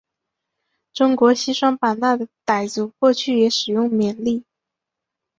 中国西双版纳的傣族过去也使用缅历。